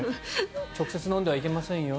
直接飲んではいけませんよ